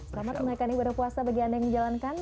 selamat menaikkan ibadah puasa bagi anda yang menjalankan